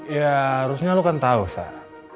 ya harusnya lo kan tau sar